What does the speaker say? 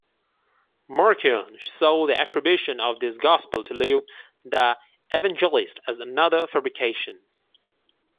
Marcion saw the attribution of this gospel to Luke the Evangelist as another fabrication.